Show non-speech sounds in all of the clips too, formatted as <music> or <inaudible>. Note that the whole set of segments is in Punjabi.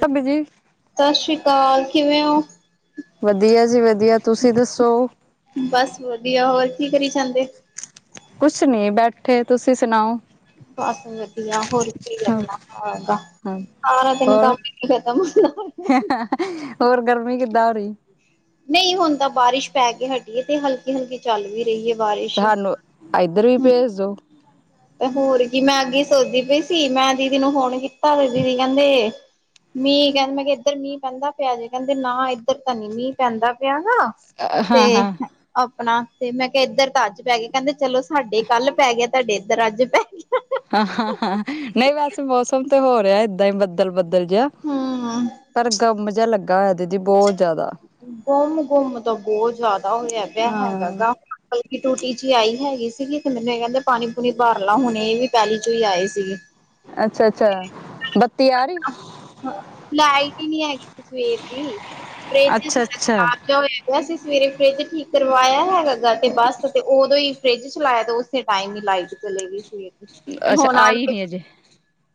ਭਾਬੀ ਜੀ। ਸਤਿ ਸ੍ਰੀ ਅਕਾਲ ਕਿਵੇਂ ਹੋ? ਵਧੀਆ ਜੀ-ਵਧੀਆ, ਤੁਸੀਂ ਦੱਸੋਂ? ਬੱਸ ਵਧੀਆ, ਹੋਰ ਕੀ ਕਰੀ ਜਾਂਦੇ? ਕੁੱਝ ਨਹੀਂ, ਬੈਠੇ, ਤੁਸੀਂ ਸੁਣਾਓ? ਬੱਸ ਵਧੀਆ, ਹੋਰ ਕੀ ਹਾਂ ਕਰਨਾ ਹੈਗਾ? ਹਾਂ, ਸਾਰਾ ਦਿਨ ਕੰਮ ਹੋਰ ਹੀ ਨਹੀਂ ਖ਼ਤਮ ਹੁੰਦਾ, ਹਾ-ਹਾ। ਹੋਰ ਗਰਮੀ ਕਿੱਦਾਂ ਹੋ ਰਹੀ? ਨਹੀਂ ਹੁਣ ਤਾਂ ਬਾਰਿਸ਼ ਪੈ ਕੇ ਹਟੀ ਏ ਤੇ ਹਲਕੀ-ਹਲਕੀ ਚੱਲ ਵੀ ਰਹੀ ਹੈ ਬਾਰਿਸ਼। ਸਾਨੂੰ ਇੱਧਰ ਵੀ ਭੇਜ ਦੋ। ਤੇ ਹੋਰ ਕੀ ਮੈਂ ਅੱਗੇ ਹੀ ਸੋਚਜੀ ਪਈ ਸੀ, ਮੈਂ ਦੀਦੀ ਨੂੰ ਫ਼ੋਨ ਕੀਤਾ ਤੇ ਦੀਦੀ ਕਹਿੰਦੇ ਮੀਂਹ ਕਹਿੰਦੇ, ਮੈਂ ਕਿਹਾ ਇੱਧਰ ਮੀਂਹ ਪੈਂਦਾ ਪਿਆ ਜੇ ਕਹਿੰਦੇ ਨਾ, ਇੱਧਰ ਤਾਂ ਨਹੀਂ ਮੀਂਹ ਪੈਂਦਾ ਪੈਗਾ। ਹਾਂ ਤੇ ਹਾਂ ਆਪਣਾ ਤੇ ਮੈਂ ਕਿਹਾ ਇੱਧਰ ਤਾਂ ਅੱਜ ਪੈ ਗਿਆ, ਕਹਿੰਦੇ ਚਲੋ ਸਾਡੇ ਕੱਲ੍ਹ ਪੈ ਗਿਆ, ਤੁਹਾਡੇ ਇੱਧਰ ਅੱਜ ਪੈ ਗਿਆ। ਹਾਂ-ਹਾਂ-ਹਾਂ, ਨਹੀਂ ਵੈਸੇ ਮੌਸਮ ਤੇ ਹੋ ਰਿਹਾ ਇੱਦਾਂ ਹੀ ਬੱਦਲ-ਬੱਦਲ ਜਿਹਾ। ਹੂੰ। ਪਰ ਘੁੰਮ ਜਿਹਾ ਲੱਗ ਕਦੀ ਬਹੁਤ <unintelligible> ਘੁੰਮ-ਘੁੰਮ ਤਾਂ ਬਹੁਤ ਜਿਆਦਾ ਹੋਇਆ ਪਿਆ ਹੈਗਾ ਹਾਂ ਗਾ। ਬਲਕੀ ਟੂਟੀ ਚ ਆਈ ਹੈਗੀ ਸੀਗੀ ਤੇ ਮੈਂਨੂੰ ਇਹ ਕਹਿੰਦੇ ਪਾਣੀ-ਪੂਣੀ ਭਰ ਲਾ ਹੁਣੇ ਇਹ ਵੀ ਪੈਲੀ ਚੋਂ ਹੀ ਆਏ ਸੀਗੀ। ਅੱਛਾ-ਅੱਛਾ, ਬੱਤੀ ਆ ਰਹੀ? ਹਾਂ, ਲਾਈਟ ਹੀ ਨੀ ਹੈਗੀ ਸੀ ਸਵੇਰ ਦੀ, ਫਰਿੱਜ ਅੱਛਾ ਸਾਡਾ ਅੱਛਾ ਖਰਾਬ ਜਿਹਾ ਹੋਇਆ। ਅਸੀ ਸਵੇਰੇ ਫਰਿੱਜ ਠੀਕ ਕਰਵਾਇਆ ਹੈਗਾ ਗਾ ਤੇ ਬੱਸ ਤੇ ਉਦੋਂ ਹੀ ਫਰਿੱਜ ਚਲਾਇਆ ਤੇ ਉਸੇ ਟਾਈਮ ਹੀ ਲਾਈਟ ਚਲੇ ਗਈ ਸੀ ਤੇ ਅੱਛਾ ਹੁਣ ਆਣ ਆਈ ਕੇ ਨੀ ਅਜੇ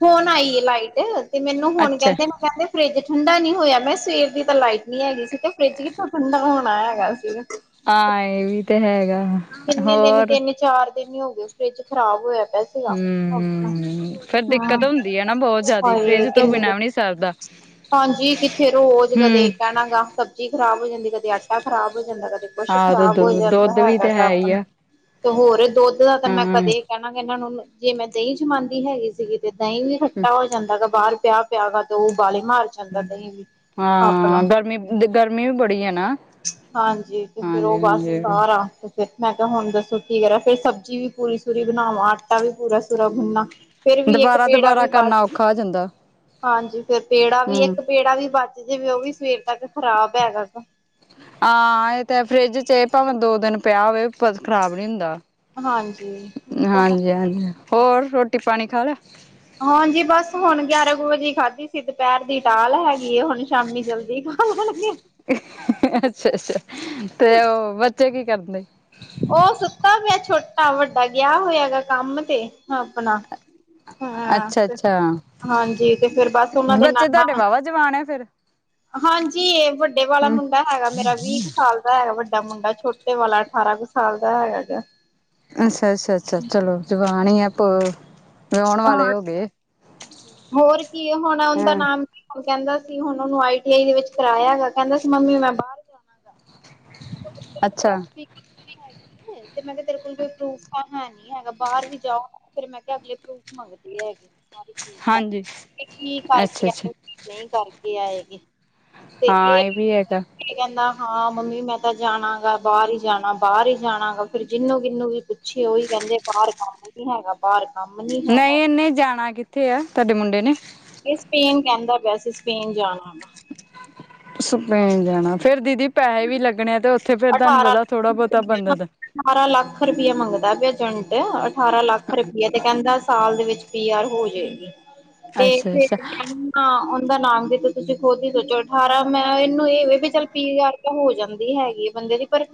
ਹੁਣ ਆਈ ਏ ਲਾਈਟ ਤੇ ਮੈਨੂੰ ਹੁਣ ਅੱਛਾ ਉਹ ਕਹਿੰਦੇ ਫਰਿੱਜ ਠੰਢਾ ਨਹੀਂ ਹੋਇਆ, ਮੈਂ ਸਵੇਰ ਦੀ ਤਾਂ ਲਾਈਟ ਨੀ ਹੈਗੀ ਸੀ ਤੇ ਫਰਿੱਜ ਕਿਥੋਂ ਠੰਢਾ ਹੋਣਾ ਹੈਗਾ ਸੀਗਾ। ਆਹ, ਇਹ ਵੀ ਤੇ ਹੈਗਾ। ਕਿੰਨੇ ਦਿਨ, ਹੋਰ ਤਿੰਨ-ਚਾਰ ਦਿਨ ਹੀ ਹੋ ਗਏ, ਫਰਿੱਜ ਖ਼ਰਾਬ ਹੋਇਆ ਪਿਆ ਸੀਗਾ, ਆਪਣਾ। ਹੂੰ ਫੇਰ ਹਾਂ, ਦਿੱਕਤ ਹੁੰਦੀ ਹੈ ਨਾ ਬਹੁਤ ਜ਼ਿਆਦਾ ਹਾਏ, ਫਰਿਜ ਤੋਂ ਕਿੰਨੇ ਦਿਨ ਬਿਨਾਂ ਵੀ ਨੀ ਸਰਦਾ। ਹਾਂਜੀ, ਕਿੱਥੇ ਰੋਜ਼ ਕਦੇ ਹੂੰ ਕਹਿਣਾ ਗਾ, ਸਬਜ਼ੀ ਖਰਾਬ ਹੋ ਜਾਂਦੀ, ਕਦੇ ਆਟਾ ਖ਼ਰਾਬ ਹੋ ਜਾਂਦਾ, ਕਦੇ ਕੁਝ ਆਹ ਤੇ ਖਰਾਬ ਹੋ ਦੁ ਜਾਂਦਾ ਦੁੱਧ ਵੀ ਤੇ ਹੈਗਾ। ਹੈ ਹੀ ਆਪਣਾ ਆ ਤੇ ਹੋਰ ਦੁੱਧ ਦਾ ਤਾਂ ਮੈਂ ਹਾਂ। ਕਦੇ ਕਹਿਣਾ ਕਿ ਇਹਨਾਂ ਨੂੰ, ਜੇ ਮੈਂ ਦਹੀਂ ਜਮਾਂਦੀ ਹੈਗੀ ਸੀਗੀ ਤੇ ਦਹੀਂ ਵੀ ਖੱਟਾ ਹੋ ਜਾਂਦਾ ਹੈਗਾ ਬਾਹਰ ਪਿਆ। ਪਿਆ ਹੈਗਾ ਤੇ ਉਬਾਲੇ ਮਾਰ ਜਾਂਦਾ ਦਹੀਂ ਵੀ। ਹਾਂ, ਆਪਣਾ ਗਰਮੀ-ਗਰਮੀ ਵੀ ਬੜੀ ਹੈਨਾ। ਹਾਂਜੀ, ਤੇ ਫਿਰ ਉਹ ਬੱਸ ਸਾਰਾ ਤੇ ਮੈਂ ਕਿਹਾ ਹੁਣ ਦੱਸੋ ਕੀ ਕਰਾਂ? ਫੇਰ ਸਬਜ਼ੀ ਵੀ ਪੂਰੀ-ਸੂਰੀ ਬਣਾਵਾਂ, ਆਟਾ ਵੀ ਪੂਰਾ-ਸੂਰਾ ਗੁਣਨਾ। ਫਿਰ ਵੀ ਇੱਕ ਪੇੜਾ ਵੀ ਦੁਬਾਰਾ-ਦੁਬਾਰਾ ਬੱਚ ਕਰਨਾ ਔਖਾ ਹੋ ਜਾਂਦਾ ਹਾਂਜੀ, ਫਿਰ ਪੇੜਾ ਵੀ, ਹੂੰ। ਇੱਕ ਪੇੜਾ ਵੀ ਬੱਚ ਜਾਵੇ, ਉਹ ਵੀ ਸਵੇਰ ਤੱਕ ਖ਼ਰਾਬ ਹੈਗਾ ਗਾ। ਹਾਂ, ਇਹ ਤੇ ਹੈ, ਫਰਿੱਜ ਚ ਭਾਵੇਂ ਦੋ ਦਿਨ ਪਿਆ ਹੋਵੇ। ਫਿਰ ਖ਼ਰਾਬ ਨੀ ਹੁੰਦਾ, ਹਾਂਜੀ ਇਹ ਤਾਂ ਹੈ ਹਾਂਜੀ-ਹਾਂਜੀ। ਹੋਰ, ਰੋਟੀ ਪਾਣੀ ਖਾ ਲਿਆ? ਹਾਂਜੀ, ਬੱਸ ਹੁਣ ਗਿਆਰਾਂ ਕੁ ਵਜੇ ਖਾਧੀ ਸੀ, ਦੁਪਹਿਰ ਦੀ ਟਾਲ ਹੈਗੀ ਏ, ਹੁਣ ਸ਼ਾਮੀ ਜਲਦੀ ਖਾਣ ਲੱਗੇ ਆ। ਅੱਛਾ-ਅੱਛਾ, ਤੇ ਉਹ ਬੱਚੇ ਕੀ ਕਰਦੇ? ਉਹ ਸੁੱਤਾ ਪਿਆ ਛੋਟਾ, ਵੱਡਾ ਗਿਆ ਹੋਇਆ ਹੈਗਾ ਕੰਮ ਤੇ ਆਪਣਾ। ਹਾਂ, ਤੇ ਅੱਛਾ-ਅੱਛਾ ਹਾਂਜੀ, ਤੇ ਫਿਰ ਬੱਸ ਉਹਨਾਂ ਦੇ ਬੱਚੇ ਤੁਹਾਡੇ ਨਾਲ-ਨਾਲ ਵਾਹਵਾ ਜਵਾਨ ਹੈ ਫੇਰ ਹਾਂਜੀ, ਇਹ ਵੱਡੇ ਵਾਲਾ ਹਮ ਮੁੰਡਾ ਹੈਗਾ ਮੇਰਾ ਵੀਹ ਕੁ ਸਾਲ ਦਾ। ਹੈਗਾ, ਵੱਡਾ ਮੁੰਡਾ ਛੋਟੇ ਵਾਲਾ ਅਠਾਰਾਂ ਕੁ ਸਾਲ ਦਾ ਹੈਗਾ ਹੈ। ਅੱਛਾ-ਅੱਛਾ-ਅੱਛਾ, ਚਲੋ ਜਵਾਨ ਹੀ ਆ। ਵਾਲੇ ਹਾਂ, ਹੋ ਗਏ ਹੋਰ ਕੀ ਹੋਣਾ ਉਹਦਾ ਹਾਂ ਨਾਮ ਕਹਿੰਦਾ ਸੀ ਹੁਣ ਉਹਨੂੰ ਆਈ ਟੀ ਆਈ ਦੇ ਵਿੱਚ ਕਰਾਇਆ ਹੈਾ ਕਹਿੰਦਾ ਸੀ ਮੰਮੀ ਮੈਂ ਬਾਹਰ ਅੱਛਾ ੱਸ ਹੈਗੀ ਤੇ ਮੈਂ ਕਿਹਾ ਤੇਰੇ ਕੋਲ ਕੋਈ ਪਰੂਫ ਤਾਂ ਹੈ ਨੀ ਹੈਗਾ ਬਾਹਰ ਵੀ ਜਾਓ ਫੇਿਰ ਮੈਂ ਕਿਹਾ ਅਗਲੇ ਪ੍ਰੂਫ ਮੰਗਦੀ ਹੈਗੀ ਸ ਚੀਜ਼ ਹਾਂਜੀ ਕੀ ਅੱਛਾ ਕਰਕੇ ਅੱਛਾ ਆਏ ਨਹੀਂ ਕਰਕੇ ਆਏਗੀ ਹਾਂ ਇਹ ਵੀ ਹੈਗਾ ਕੀ ਕਹਿੰਦਾ ਹਾਂ ਮੰਮੀ ਮੈਂ ਤਾਂ ਜਾਣਾ ਗਾ ਬਾਹਰ ਹੀ ਜਾਣਾ ਬਾਹਰ ਹੀ ਜਾਣਾ ਗਾ ਫੇਰ ਜਿਹਨੂੰ ਕਿਿਨੂੰ ਵੀ ਪੁੱਛੇ ਉਹੀ ਕਹਿੰਦੇ ਬਾਹਰ ਨਹੀਂ ਹੈਗਾ ਬਾਹਰ ਕੰਮ ਨੀ ਹੈਗਾ ੇ ਜਾਣਾ ਕੀਤਾ ਕਿੱਥੇ ਆ ਤੁਹਾਡੇ ਮੁੰਡੇ ਨੇ ਇਹ ਸਪੇਨ ਕਹਿੰਦਾ ਪਿਆ ਸੀ ਸਪੇਨ ਜਾਣਾ ਵਾ ਸੁੇ ਜਾਣਾ ਫਰ ਦੀਦੀ ਪੈਸੇ ਵੀ ਲੱਗਣੇ ਆ ਤੇ ਉੱਥੇ ਫੇਿਰ ਤੁਹਾਨੂੰ ਪਤਾ ਥੋੜਾ ਅਠਾਰਾਂ ਬਹੁਤਾ ਬੰਧਤ ਅਠਾਰਾਂ ਲੱਖ ਰੁਪਇਆ ਮੰਗਦਾ ਏਜੰਟ ਅਠਾਰਾਂ ਲੱਖ ਰੁਪਈਆ ਤੇ ਕਹਿੰਦਾ ਸਾਲ ਦੇ ਵਿੱਚ ਪੀ ਆਰ ਹੋ ਜਾਏ ਤੇ ਅੱਛਾ ਅੱਛਾ ਫੇਿਰੂੰ ਹਾਂ ਉਹਦਾ ਨਾਮ ਵੀ ਤੇ ਤੁਸੀਂ ਖੁਦ ਹੀ ਸੋਚੋ ਅਠਾਰਾਂ ਮੈਂ ਇਹਨੂੰ ਇਹ ਵੀ ਵੀ ਚੱਲ ਪੀ ਵਾਰ ਤਾਂ ਹੋ ਜਾਂਦੀ ਹੈਗੀ ਆ ਬੰਦੇ ਦੀ ਪਰ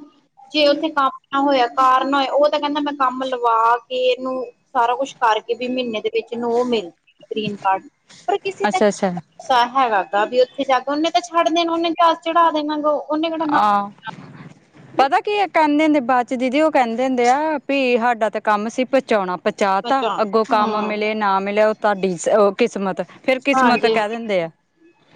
ਜੇ ਉੱਥੇ ਕੰਮ ਨਾ ਹੋਇਆ ਕਾਰ ਨਾ ਹੋਇਆ ਉਹ ਤਾਂ ਕਹਿੰਦਾ ਮੈਂ ਕੰਮ ਲਵਾ ਕੇ ਇਹਨੂੰ ਸਾਰਾ ਕੁਛ ਕਰਕੇ ਵੀ ਮਹੀਨੇ ਦੇ ਵਿੱਚਨ ਉਹ ਮਿਲ ਜਾ ਗ੍ਰੀਨ ਕਾਰਡ ਪਰ ਕਿਸੇ ਅੱਛਾ ਅੱਛਾ ਦਾਾ ਹੈਗਾ ਗਾ ਵੀ ਉੱਥੇ ਜਾ ਕੇਓਨੇ ਤਾਂ ਛੱਡ ਦੇਣਾ ਓਨੇ ਜਾ ਚੜ੍ਹਾ ਦੇਣਾ ਗ ਉਹ ਉਹਨੇ ਕਿਹੜ ਆਹ ਪਤਾ ਕੀ ਆ ਕਹਿੰਦੇ ਹੁੰਦੇ ਬਾਅਦ ਦੀਦੀ ਉਹ ਕਹਿੰਦੇ ਹੁੰਦੇ ਆ ਵੀ ਸਾਡਾ ਤੇ ਕੰਮ ਸੀ ਪਹੁੰਚਾਉਣਾ ਪਹੁੰਚਾ ਤਾ ਬਚਾ ਅੱਗੋਂ ਕੰਮ ਹੂੰ ਮਿਲੇ ਨਾ ਮਿਲੇ ਤੁਹਾਡੀ ਉਹ ਕਿਸਮਤ ਫੇਿਰ ਕਿਸਮਤ ਹਾਂਜੀ ਕਹਿ ਦਿੰਦੇ ਆ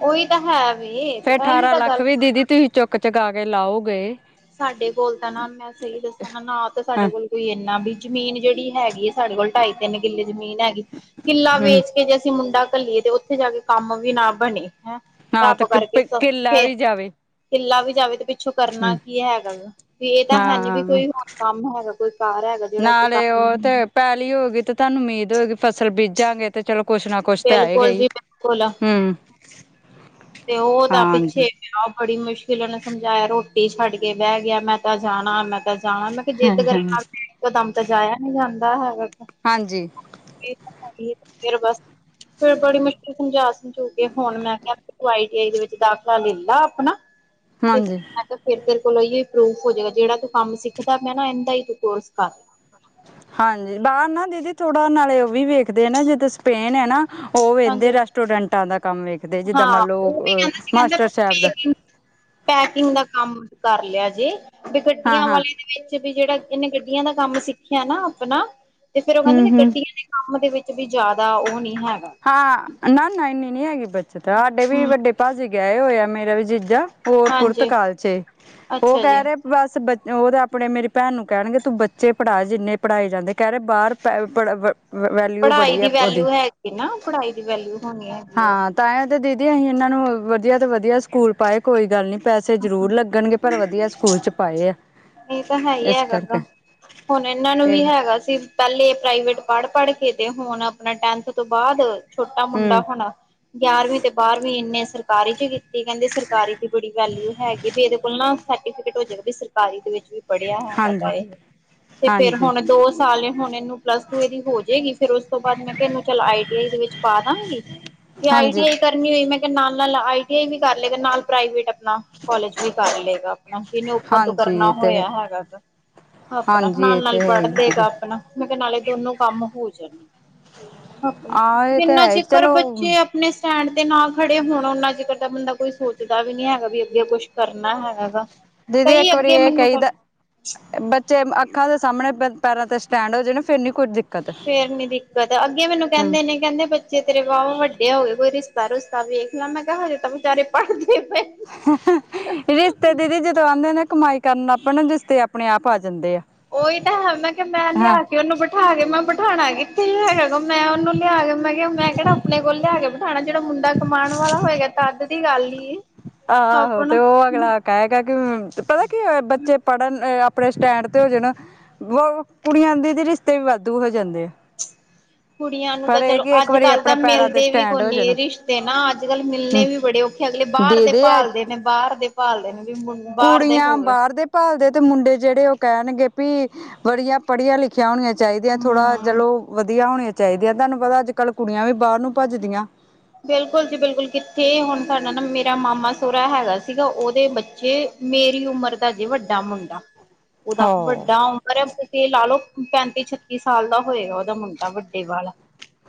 ਉਹੀ ਤਾਂ ਹੈ ਵ ਫੇਰ ਇਹੀ ਅਠਾਰਾਂ ਤਾਂ ਲੱਖ ਗੱਲ ਵੀ ਦੀਦੀ ਤੁਸੀਂ ਚੁੱਕ ਚੁਕਾ ਕੇ ਲਾਓਗੇ ਸਾਡੇ ਕੋਲ ਤਾਂ ਨਾ ਮੈਂ ਸਹੀ ਦੱਸਾਂ ਨਾ ਨਾ ਤਾਂ ਹਾਂ ਸਾਡੇ ਕੋਲ ਕੋਈ ਇਨਾ ਵੀ ਜ਼ਮੀਨ ਜਿਹੜੀ ਹੈਗੀ ਸਾਡੇ ਕੋਲ ਢਾਈ ਤਿੰਨ ਕਿੱਲੇ ਜ਼ਮੀਨ ਹੈਗੀ ਕਿੱਲਾ ਹੂੰ ਵੇਚ ਜੇ ਅਸੀਂ ਮੁੰਡਾ ਘੱਲੀਏ ਤੇ ਉੱਥੇ ਜਾ ਕੇ ਕੰਮ ਵੀ ਨਾ ਬਣੇ ਹੈਂ ਹਾਂ ਰੱਬ ਤੇ ਕਰਕੇ ਫ ਕਿੱਲਾ ਵੀ ਜਾਵੇ ਕਿੱਲਾ ਵੀ ਜਾਵੇ ਤੇ ਪਿੱਛੋਂ ਕਰਨਾ ਹੂੰ ਕੀ ਹੈਗਾ ਵੀ ਇਹ ਤਾਂ ਹੈ ਨੀ ਵੀ ਹਾਂ ਕੋਈ ਹੋਰ ਕੰਮ ਹੈਗਾ ਕੋਈ ਕਾਰ ਹੈਗਾ ਜਿਹੜਾ ਅਸੀਂ ਨਾਲੇ ਕਰ ਉਹ ਤੇ ਪੈਲੀ ਹੋਗੀਈ ਤੇ ਤੁਹਾਨੂੰ ਉਮੀਦ ਹੋਏਗੀ ਫਸਲ ਬੀਜਾਂਗੇ ਤੇ ਚਲੋ ਕੁਛ ਨਾ ਕੁਛ ਤੇ ਆਏਗਾ ਬਿਲਕੁਲ ਹੀ ਜੀ ਬਿਲਕੁਲ ਹਮ ਤੇ ਉਹ ਤਾਂ ਪਿੱਛੇ ਉਹ ਬੜੀ ਮੁਸ਼ਕਿਲ ਨੇ ਸਮਝਾਇਆ ਰੋਟੀ ਛੱਡ ਕੇ ਬਹਿ ਗਿਆ ਮੈਂ ਤਾਂ ਜਾਣਾ ਮੈਂ ਤਾਂ ਜਾਣਾ ਮੈਂ ਜਿੱਦ ਕਰਨ ਨਾਲ ਇੱਕ ਦਮ ਤੇ ਜਾਇਆ ਨ ਜਾਂਦਾ ਹੈਗਾ ਹਾਂਜੀ ਫਿਰ ਬਸ ਫਿਰ ਬੜੀ ਮੁਸ਼ਕਿਲ ਸਮਝਾ ਸਮਝੂ ਕੇ ਹੋੁਣ ਮੈਂ ਕਿਹਾ ਤ ਆਈ ਟੀ ਆਈ ਦੇ ਵਿੱਚ ਦਾਖਲਾ ਲੈ ਲ ਆਪਣਾ ਤੇ ਮੈਂ ਹਾਂਜੀ ਕਿਹਾ ਫ਼ਿਰ ਤੇਰੇ ਕੋਲੋਂ ਇ ਪ੍ਰੂਫ ਹੋ ਜਾਏਗਾ ਜਿਹੜਾ ਤੂੰ ਕੰਮ ਸਿੱਖਦਾ ਮੈਂ ਨਾ ਇਹਦਾ ਹੀ ਤੂੰ ਕੋਰਸ ਕਰ ਹਾਂਜੀ ਬਾਹਰ ਨਾ ਦੀਦੀ ਥੋੜਾ ਨਾਲੇ ਉਹ ਵੀ ਵੇਖਦੇ ਨਾ ਜਿੱਦੋਂ ਸਪੇਨ ਹੈ ਨਾ ਉਹ ਵਹਿੰਦੇ ਹਾਂਜੀ ਰੈਸਟੋਰੈਂਟਾਂ ਦਾ ਕੰਮ ਵੇਖਦੇ ਜਿੱਦਾਂ ਹਾਂ ਮੰਨ ਲਓ ਉਹ ਵੀ ਮਾਸਟਰ ਕਹਿੰਦਾ ਸਾਹਿਬ ਸੀ ਦਾ ਕਹਿੰਦਾ ਪੈਕਿੰਗ ਦਾ ਕੰਮ ਕਰ ਲਿਆ ਜੇ ਬ ਹਾਂ ਗੱਡੀਆਂ ਹਾਂ ਵਾਲੇ ਵਿੱਚ ਵੀ ਜਿਹੜਾ ਇਹਨੇ ਗੱਡੀਆਂ ਦਾ ਕੰਮ ਸਿੱਖਿਆ ਨਾ ਆਪਣਾ ਤੇ ਫੇਰ ਉਹ ਹੂੰ ਕਹਿੰਦੇ ਹੂੰ ਗੱਡੀਆਂ ਦੇ ਕੰਮ ਦੇ ਵਿੱਚ ਵੀ ਜ਼ਿਆਦਾ ਉਹ ਨੀ ਹੈਗਾ ਹਾਂ ਨਾ ਨਾ ਇੰਨੀ ਨਹੀਂ ਹੈਗੀ ਬੱਚਤ ਸਾਡੇ ਵੀ ਹਮ ਵੱਡੇ ਭਾਅ ਜੇ ਗਿਆਏ ਹੋਇਆ ਮੇਰਾ ਵੀ ਜੀਜਾ ਉਹ ਹਾਂਜੀ ਪੁਰਤਗਾਲ ਚ ਉਹ ਅੱਛਾ ਕਹਿ ਜੀ ਰਹੇ ਬਸ ਬੱਚ ਉਹ ਤਾਂ ਆਪਣੇ ਮੇਰੀ ਭੈਣ ਨੂੰ ਕਹਿਣਗੇ ਤੂੰ ਬੱਚੇ ਪੜ੍ਹਾ ਜਿੰਨੇ ਪੜ੍ਹਾਏ ਜਾਂਦੇ ਕਹਿ ਰਹੇ ਬਾਹਰ ਪ ਪੜ ਵੈਲਿਊ ਪੜ੍ਹਾਈ ਬੜੀ ਦੀ ਹੈ ਉਹਦੀ ਵੈਲਿਊ ਹੈਗੀ ਨਾ ਪੜ੍ਹਾਈ ਦੀ ਵੈਲਿਊ ਹੋਣੀ ਏ। ਹਾਂ ਤਾਂ ਇਹ ਤੇ ਦੀਦੀ ਇਹਨਾਂ ਨੂੰ ਵਧੀਆ ਤੋਂ ਵਧੀਆ ਸਕੂਲ ਪਾਏ। ਕੋਈ ਗੱਲ ਨੀ, ਪੈਸੇ ਜ਼ਰੂਰ ਲੱਗਣਗੇ ਪਰ ਵਧੀਆ ਸਕੂਲ ਚ ਪਾਏ ਅ। ਇਹ ਤਾਂ ਹੈ ਹੀ ਐ ਕਰਦਾ, ਹੁਣ ਇਹਨਾਂ ਨੂੰ ਤੇ ਵੀ ਹੈਗਾ ਸੀ ਪਹਿਲੇ ਪ੍ਰਾਈਵੇਟ ਪੜ੍ਹ- ਪੜ੍ਹ ਕੇ ਤੇ ਹੁਣ ਅਪਣੇ ਟੈਂਥ ਤੋਂ ਬਾਦ ਛੋਟਾ ਮੁੰਡਾ ਹੂੰ ਹੁਣ ਗਿਆਰਵੀਂ ਤੇ ਬਾਰਵੀਂ ਇੰਨੇ ਸਰਕਾਰੀ ਚ ਕੀਤੀ, ਕਹਿੰਦੇ ਸਰਕਾਰੀ ਤੇ ਬੜੀ ਵੈਲਿਊ ਹੈਗੀ। ਵੀ ਇਹਦੇ ਕੋਲ ਨਾ ਸਰਟੀਫਿਕੇਟ ਹੋ ਜੇਗਾ ਵੀ ਸਰਕਾਰੀ ਦੇ ਵਿੱਚ ਵੀ ਪੜ੍ਹਿਆ ਹੈਗਾ ਹਾਂਜੀ ਇਹ। ਤੇ ਫੇਰ ਹਾਂਜੀ ਹੁਣ ਦੋ ਸਾਲ ਨੇ, ਹੁਣ ਇਹਨੂੰ ਪਲੱਸ ਟੂ ਇਹਦੀ ਹੋ ਹੈਗੀ। ਫੇਰ ਉਸ ਤੋਂ ਬਾਅਦ ਮੈਂ ਕਿਹਾ ਇਨੂੰ ਚੱਲ ਆਈ ਟੀ ਆਈ ਦੇ ਵਿੱਚ ਪਾ ਦਾਂਗੀ। ਜੇ ਆਈ ਹਾਂਜੀ ਟੀ ਆਈ ਕਰਨੀ ਹੋਈ, ਮੈਂ ਕਿਹਾ ਨਾਲ-ਨਾਲ ਆਈ ਟੀ ਆਈ ਵੀ ਕਰ ਲਏਗਾ, ਨਾਲ ਪ੍ਰਾਈਵੇਟ ਆਪਨਾ ਕੋਲਜ ਵੀ ਕਰ ਲੇਗਾ। ਆਪ ਜਿਨੇ ਓਪਨ ਤੋਂ ਹਾਂਜੀ ਕਰਨਾ ਇਹ ਤੇ ਹੋਇਆ ਹੈਗਾ ਤੇ, ਆਪਣਾ ਹਾਂਜੀ ਇਹ ਨਾਲ- ਨਾਲ ਤੇ ਹੈ ਪੜ੍ਹ ਹੀ ਲੇਗਾ ਦੀਦੀ ਆਪਣਾ। ਮੈਂ ਕਿਹਾ ਨਾਲੇ ਦੋਨੋ ਕੰਮ ਹੋ ਜਾਣਗੇ। ਆਪਣਾ ਹਾਂ ਇਹ ਤੇ ਜਿੰਨਾ ਹੈ ਜਿਕਰ ਚਲੋ ਬੱਚੇ ਅਪ ਅਪਨੇ ਸਟੈਂਡ ਤੇ ਨਾ ਖੜੇ ਹੋਣ, ਉਨਾ ਚਿਕਰ ਤਾਂ ਬੰਦਾ ਕੋਈ ਸੋਚਦਾ ਵੀ ਨੀ ਹੈਗਾ। ਵੀ ਅੱਗੇ ਕੁਛ ਕਰਨਾ ਹੈ ਹੈਗਾ? ਦੀਦੀ, ਕਈ ਇੱਕ ਵਾਰੀ ਅੱਗੇ ਇਹ ਮੈਨੂੰ ਕਹੀਦੈ ਬੱਚੇ ਅੱਖਾਂ ਦੇ ਸਾਹਮਣੇ ਪ ਪੈਰਾਂ ਤੇ ਸਟੈਂਡ ਹੋ ਜਾਣ, ਫਿਰ ਨੀ ਕੁੱਝ ਦਿੱਕ ਫੇਰ ਨੀ ਦਿੱਕਤ, ਅੱਗੇ ਮੈਨੂੰ ਕਹਿੰਦੇ ਨੇ, ਕਹਿੰਦੇ ਬਈ ਬੱਚੇ ਤੇਰੇ ਵਾਵਾ ਵੱਡੇ ਹੋ ਗਏ, ਕੋਈ ਰਿਸ਼ਤਾ- ਰੁਸ਼ਤਾ ਵੇਖ ਲੈ। ਮੈਂ ਕਿਹਾ ਹਜੇ ਤੇ ਬੇਚਾਰੇ ਪੜ੍ਹਦੇ ਪਏ ਹੰ ਹੰ, ਰਿਸ਼ਤੇ ਦੀਦੀ ਜਦੋਂ ਆਉਂਦੇ ਨੇ, ਕਮਾਈ ਕਰਨ ਲੱਗ ਪੈਣ ਨਾ, ਰਿਸ਼ਤੇ ਆਪਣੇ ਆਪ ਆ ਜਾਂਦੇ ਐ। ਓਹੀ ਤਾਂ ਹੈ, ਮੈਂ ਕਿਹਾ ਮੈਂ ਲਿਆ ਕੇ ਉਹਨੂੰ ਬਿਠਾ ਕੇ, ਮੈਂ ਬਿਠਾਣਾ ਕਿੱਥ ਕੀ ਹੈਗਾ, ਮੈਂ ਉਹਨੂੰ ਲਿਆ ਕੇ ਮੈਂ ਕਿਹਾ ਮੈਂ ਕਿਹੜਾ ਆਪਣੇ ਕੋਲ ਲਿਆ ਕੇ ਬਿਠਾਣਾ। ਜਿਹੜਾ ਮੁੰਡਾ ਕਮਾਣ ਵਾਲਾ ਹੋਏਗਾ ਤਾਂ ਤੇ ਕਿ ਗੱਲ ਈ? ਆਹਹੋ ਤੇ ਆਪਣਾ ਉਹ ਅਗਲਾ ਕਹੈਗਾ ਕਿ, ਪਤਾ ਕੀ ਹੋਏ ਬੱਚੇ ਪੜ੍ਹਨ ਅ ਆਪਣੇ ਸਟੈਂਡ ਤੇ ਹੋ ਜਾਣ। ਵੋ ਕੁੜੀਆਂ ਦੇ ਰਿਸ਼ਤੇ ਵੀ ਵਾਧੂ ਹੋ ਜਾਂਦੇ ਆ। ਕੁੜੀਆਂ ਨੂੰ ਤਾਂ ਪਰ ਇਹ ਚਲੋ ਕਿ ਇੱਕ ਅੱਜ ਵਾਰੀ ਕੱਲ ਤਾਂ ਆਪਣੇ ਪੈਰਾਂ ਤੇ ਮਿਲਦੇ ਵੀ ਸਟੈਂਡ ਹੋ ਕੋਨੀ ਜਾਣ ਰਿਸ਼ਤੇ ਨਾ, ਅੱਜ ਕੱਲ ਮਿਲਣੇ ਹਮ ਵੀ ਬੜੇ ਔਖ ਅਗਲੇ ਬਾਰ ਦੇ ਦੇਦੇ ਆ ਭਾਲਦੇ ਨੇ, ਬਾਰ ਦੇ ਭਾਲਦੇ ਨੇ। ਵੀ ਮੁੰ ਬਾਹਰ ਦੇ ਕੁੜੀਆਂ ਹੋਵੇ ਬਾਰ ਦੇ ਭਾਲਦੇ ਤੇ ਮੁੰਡੇ ਜਿਹੜੇ ਉਹ ਕਹਿਣਗੇ ਬਈ ਬੜੀਆਂ ਪੜ੍ਹੀਆਂ ਲਿਖੀਆਂ ਹੋਣੀਆਂ ਚਾਹੀਦੀਆਂ, ਥੋੜਾ ਹੂੰ ਚਲੋ ਵਧੀਆ ਹੋਣੀਆਂ ਚਾਹੀਦੀਆਂ। ਤੁਹਾਨੂੰ ਪਤਾ ਅੱਜ ਕੱਲ ਕੁੜੀਆਂ ਵੀ ਬਾਹਰ ਨੂੰ ਭੱਜਦੀਆਂ। ਬਿਲਕੁਲ ਜੀ ਬਿਲਕੁਲ। ਕਿੱਥੇ ਏ ਹੁਣ ਸਾਡਾ ਨਾ ਮੇਰਾ ਮਾਮਾ ਸੋਰਾ ਹੈਗਾ ਸੀਗਾ, ਉਹਦੇ ਬੱਚੇ ਮੇਰੀ ਉਮਰ ਦਾ ਜੇ ਵੱਡਾ ਮੁੰਡਾ, ਉਹਦਾ ਹੋ ਵੱਡਾ <unintelligible> ਏ ਲਾ ਲੋਓ ਪੈਂਤੀ- ਛੱਤੀ ਸਾਲ ਦਾ ਹੋਏਗਾ ਉਹਦਾ ਮੁੰਡਾ ਵੱਡੇ ਵਾਲਾ।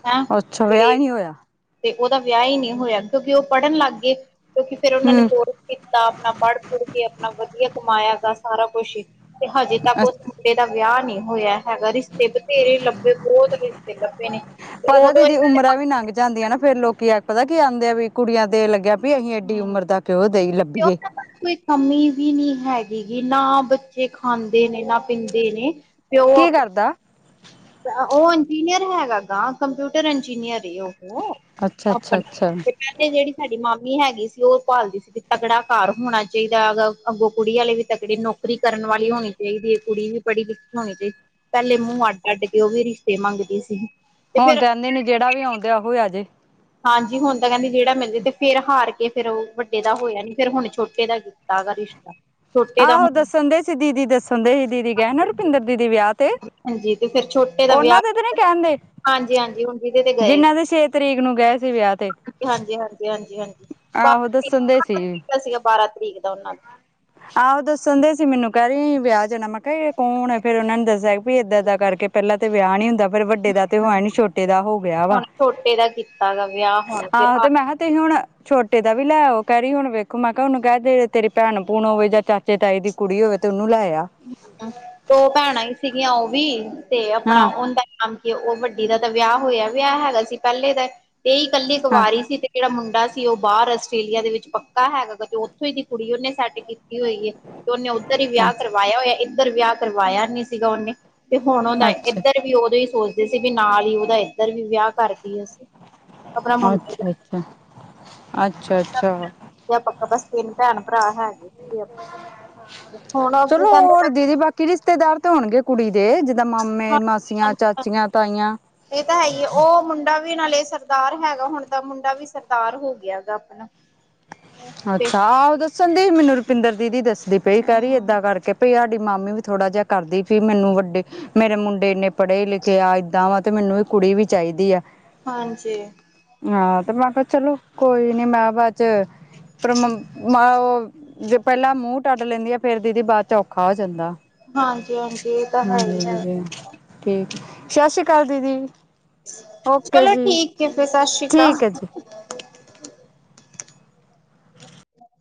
ਹੈਂ, ਅੱਛਾ ਵਿਆਹ ਤੇ ਹੀ ਨਹੀਂ ਹੋਇਆ ਤੇ ਉਹਦਾ ਵਿਆਹ ਹੀ ਨਹੀਂ ਹੋਇਆ। ਕਿਉਂਕਿ ਉਹ ਪੜ੍ਹਨ ਲੱਗ ਗਏ, ਕਿਉਂਕਿ ਫੇਰ ਉਹਨਾਂ ਨੇ ਹੂੰ ਕੋਰ ਸ ਕੀਤਾ, ਆਪਣਾ ਪੜ੍ਹ- ਪੁੜ ਕੇ ਆਪਣਾ ਵਧੀਆ ਕਮਾਇਆ ਦਾ ਸਾਰਾ ਕੁਛ ਹੀ, ਤੇ ਹਜੇ ਤੱਕ ਉਸ ਮੁੰ ਡੇ ਦਾ ਵਿਆਹ ਨਹੀਂ ਹੋਇਆ। ਹੈਗਾ। ਰਿਸ਼ਤੇ ਬਥੇਰੇ ਲੱਭੇ, ਬਹੁਤ ਰਿਸ਼ਤੇ ਲੱਭੇ ਨੇ। ਤੇ ਪਤਾ ਉਦੋਂ ਦੀਦੀ ਇਹਨਾਂ ਦੇ <unintelligible> ਉਮਰਾਂ ਵੀ ਲੰਘ ਜਾਂਦੀਆਂ ਨਾ, ਫੇਰ ਲੋਕੀ ਆ ਪਤਾ ਕੀ ਆਉਂਦੇ ਆ ਵੀ, ਕੁੜੀਆਂ ਤੇ ਲੱਗਿਆ ਵੀ ਅਸੀਂ ਏਡੀ ਹਮ ਉਮਰ ਦਾ ਕਿਉਂ ਦਈ ਕਿਉਂ ਲੱਭੀਏ? ਕੋਈ ਕਮੀ ਵੀ ਨਹੀਂ ਹੈਗੀਗੀ। ਨਾ ਬੱਚੇ ਖਾਂਦੇ ਨੇ, ਨਾ ਪੀਂਦੇ ਨੇ। ਤੇ ਉਹ ਕੀ ਆਪ ਕਰਦਾ ਉਹ ਇੰਜੀਨੀਅਰ ਹੈਗਾ ਗਾ। ਕੰਪਿਊਟਰ ਇੰਜੀਨੀਅਰ ਏ ਓ। ਉਹ ਅੱਛਾ ਅੱਛਾ ਆਪਣੇ ਅੱਛਾ ਪਹਿਲੇ ਜਿਹੜੀ ਸਾਡੀ ਮਾਮੀ ਹੈਗੀ ਸੀ, ਉਹ ਭਾਲਦੀ ਸੀ ਵੀ ਤਗੜਾ ਘਰ ਹੋਣਾ ਚਾਹੀਦਾ, ਅਗ ਅੱਗੋਂ ਕੁੜੀ ਵਾਲੇ ਵੀ ਤਕੜੀ ਨੌਕਰੀ ਕਰਨ ਵਾਲੀ ਹੋਣੀ ਚਾਹੀਦੀ ਏ, ਕੁੜੀ ਵੀ ਪੜੀ ਲਿਖੀ ਹੋਣੀ ਚਾਹੀਦੀ। ਪਹਿਲੇ ਮੂੰਹ ਅੱਡ ਸਾਡੇ ਤੇ ਉਹ ਵੀ ਰਿਸ਼ਤੇ ਮੰਗਦੀ ਸੀ। ਤੇ ਹੁਣ ਫੇਰ ਤਾਂ ਆਂਦੇ ਨੇ ਜਿਹੜਾ ਵੀ ਆਉਂਨਡਿਆ ਉਹੋ ਆ ਜੇ। ਹਾਂਜੀ, ਹੁਣ ਤਾਂ ਕਹਿੰਦੇ ਜਿਹੜਾ ਮਿਲਦੇ। ਤੇ ਫੇਰ ਹਾਰ ਕੇ ਫੇਰ ਉਹ ਵੱਡੇ ਦਾ ਹੋਇਆ ਨੀ ਫ਼ਿਰ ਹੁਣ ਛੋਟੇ ਦਾ ਤਗਾਰੀ <unintelligible> ਇਸ਼ ਆਹੋ ਦੱਸਣ ਦੇ ਸੀ ਦੀਦੀ ਦੱਸਣ ਦੇ ਸੀ ਦੀਦੀ ਕਹਿਣ ਰੁਪਿੰਦਰ ਦੀਦੀ ਵਿਆਹ ਤੇ ਹਾਂਜੀ ਤੇ ਫਿਰ ਛੋਟੇ ਦਾ ਵਿਆਹ ਉਹਨਾਂ ਦੇ ਤੇ ਨੀ ਕਹਿੰਦੇ ਹਾਂਜੀ ਹਾਂਜੀ ਹੁਣ ਜਿਹਦੇ ਤੇ ਗਏ ਜਿੰਨਾਂ ਸੀ ਦੇ ਛੇ ਤਰੀਕ ਨੂੰ ਗਏ ਸੀ ਵਿਆਹ ਤੇ ਹਾਂਜੀ ਹਾਂਜੀ ਹਾਂਜੀ ਹਾਂਜੀ ਆਹੋ ਬਾਰਾਂ ਦੱਸਣ ਦੇ ਸੀ ਬਾਂ ਤਰੀਕ ਦਾ ਸੀਗਾ ਬਾਰਾਂ ਤਰੀਕ ਦਾ ਉਹਨਾਂ ਦਾ ਆਹੋ ਦੱਸਣ ਡਈ ਸੀ ਮੈਨੂੰ ਕਹਿ ਰਹੀ ਵਿਆਹ ਜਾਣਾ ਮ ਨਹੀਂ ਕੌਣ ਫੇਰ ਉਹਨਾ ਨੂੰ ਦੱਸਿਆ ਵੀ ਇਦਾਂ ਏਦਾਂ ਕਰਕੇ ਪਹਿਲਾਂ ਤੇ ਵਿਆਹ ਨੀ ਹੁੰਦਾ ਫਿਰ ਵੱਡੇ ਦਾ ਤੇ ਹੋਇਆ ਨੀ ਛੋਟਾ ਛੋਟੇ ਦਾ ਹੋ ਗਿਆ ਵਾ। ਹੁਣ ਛੋਟੇ ਦਾ ਕੀਤਾ ਗ ਵਿਆਹ ਹੁਣ ਫਿਰ ਆਹੋ ਤੇ ਮੈਂ ਕਿਹਾ ਤੁਸੀਂ ਹੁਣ ਛੋਟੇ ਦਾ ਵੀ ਲੈ ਆਉ ਕਹਿ ਰਹੀ ਹੁਣ ਵੇਖੋ ਮੈਂ ਕਿਹਾ ਉਹਨੂੰ ਕਹਿ ਦੇ ਤੇਰੀ ਭੈਣ ਭੂਣ ਹੋਵੇ ਜਾਂ ਚਾਚੇ ਤਾਏ ਦੀ ਕੁੜੀ ਹੋਵੇ ਤੇ ਉਹਨੂੰ ਲੈ ਆ। ਦੋ ਭੈਣਾਂ ਹੀ ਸੀਗੀਆਂ ਉਹ ਵੀ ਤੇ ਆਪਣਾ ਹਾਂ ਉਹਦਾ ਨਾਮ ਕਿ ਉਹ ਵੱਡੀ ਦਾ ਤਾਂ ਵਿਆਹ ਹੋਇਆ ਪਿਆ ਹੈਗਾ ਸੀ ਪਹਿਲੇ ਤਾਂ ਤੇ ਹੀ ਇਕੱਲੀ ਹਾਂ ਕਵਾਰੀ ਸੀ ਤੇ ਜਿਹੜਾ ਮੁੰਡਾ ਕਿ ਉਹ ਬਾਹਰ ਆਸਟ੍ਰੇਲੀਆ ਦੇ ਵਿੱਚ ਪੱਕਾ ਹੈਗਾ ਕਦੇ ਉੱਥੋਂ ਹੀ ਦੀ ਕੁੜੀ ਉਹਨੇ ਸੈੱਟ ਕੀਤੀ ਹੋਈ ਹੈ। ਉਹਨੇ ਉੱਧਰ ਹੀ ਵਿਆਹ ਅੱਛਾ ਕਰਵਾਇਆ ਹੋਇਆ ਇੱਧਰ ਵਿਆਹ ਕਰਵਾਇਆ ਨਹੀਂ ਸੀਗਾ ਉਹਨੇ। ਤੇ ਹੁਣ ਉਹਦਾ ਅੱਛਾ ਇੱਧਰ ਵੀ ਉਦੋਂ ਹੀ ਸੋਚਦੇ ਸੀ ਵੀ ਨਾਲ ਹੀ ਓਦਾ ਇੱਧਰ ਵੀ ਵਿਆਹ ਕਰਕੇ। ਅੱਛਾ, ਅੱਛਾ, ਅੱਛਾ, ਅੱਛਾ। ਤੇ ਪੱਕਾ ਬਸ ਤਿੰਨ ਭੈਣ ਭਰਾ ਹੈਗੇ ਸੀਗੇ ਹੁਣ ਅਗੇ ਕਹਿੰਦੇ। ਕੀ ਰਿਸ਼ਤੇਦਾਰ ਤੇ ਹੋਣਗੇ ਕੁੜੀ ਦੇ ਜਿੱਦਾਂ ਮਾਮੇ ਹਾਂਜੀ ਮਾਸੀਆਂ ਹਾਂਜੀ ਚਾਚੀਆਂ ਤਾਈਆਂ। ਇਹ ਤਾਂ ਹੈ ਹੀ ਹੈ ਉਹ ਮੁੰਡਾ ਵੀ ਨਾਲੇ ਸਰਦਾਰ ਹੈਗਾ ਹੁਣ ਤਾਂ ਮੁੰਡਾ ਵੀ ਸਰਦਾਰ ਹੋ ਗਿਆ ਹੈਗਾ ਆਪਣਾ ਤੇ ਅੱਛਾ ਆਹੋ ਦੱਸਣ ਦੀ ਮੈਨੂੰ ਰੁਪਿੰਦਰ ਦੀਦੀ ਦੱਸਦੀ ਪਈ ਕਹਿ ਰਹੀ ਹਮ ਏਦਾਂ ਕਰਕੇ। ਸਾਡੀ ਮਾਮੀ ਵੀ ਥੋੜਾ ਜਿਹਾ ਕਰਦੀ ਸੀ ਮੈਨੂੰ ਵੱਡੇ ਮੇਰੇ ਮੁੰਡੇ ਨੇ। ਪੜ੍ਹੇ ਲਿਖੇ ਆ ਏਦਾਂ ਵਾ ਤੇ ਮੈਨੂੰ ਵੀ ਕੁੜੀ ਵੀ ਚਾਹੀਦੀ ਆ। ਹਾਂਜੀ। ਹਾਂ ਤੇ ਮੈਂ ਕਿਹਾ ਚਲੋ ਕੋਈ ਨੀ ਮੈਂ ਕਿਹਾ ਅੱਜ। ਫ ਉਹ ਪਹਿਲਾਂ ਮੂੰਹ ਟੱਟ ਲੈਂਦੀ ਆ ਫੇਰ ਦੀਦੀ ਬਾਅਦ ਚ ਔਖਾ ਹੋ ਜਾਂਦਾ। ਹਾਂਜੀ, ਹਾਂਜੀ ਇਹ ਤਾਂ ਹੈ ਹਾਂਜੀ ਹੀ ਹੈ। ਦੀਦੀ ਠੀਕ ਹੈ, ਸਤਿ ਸ੍ਰੀ ਅਕਾਲ ਦੀਦੀ। ਓਕੇ ਚਲੋ ਜੀ ਠੀਕ ਆ ਫਿਰ ਸਤਿ ਸ਼੍ਰੀ ਅਕਾਲ। ਠੀਕ ਹੈ ਜੀ